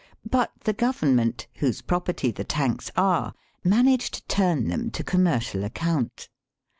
But the Govern ment, whose property the tanks are, manage to turn them to commercial account.